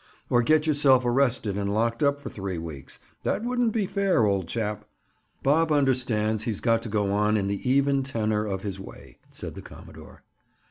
"Or get yourself arrested and locked up for three weeks! That wouldn't be fair, old chap." "Bob understands he's got to go on in the even tenor of his way," said the commodore.